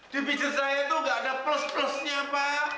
di pijet saya tuh nggak ada plus plusnya pak